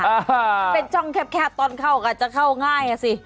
อ่าเป็นช่องแคบแคบตอนเข้าก็จะเข้าง่ายอ่ะสิ